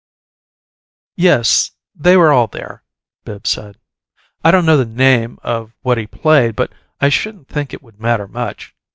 "Yes, they were all there," Bibbs said. "I don't know the name of what he played, but I shouldn't think it would matter much.